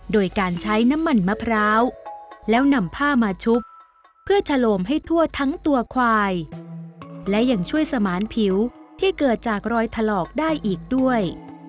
โดยการใช้น้ำมันมะพร้าวแล้วนำผ้ามาชุบเพื่อชะโลมให้ทั่วทั้งตัวควายและยังช่วยสมานผิวที่เกิดจากรอยถลอกได้อีกด้วย